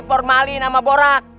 porn malin sama borak